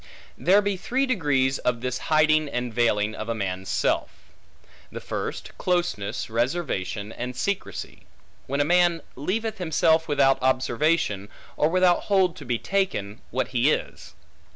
There be three degrees of this hiding and veiling of a man's self. The first, closeness, reservation, and secrecy; when a man leaveth himself without observation, or without hold to be taken, what he is.